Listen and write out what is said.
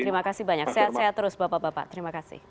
terima kasih banyak sehat sehat terus bapak bapak terima kasih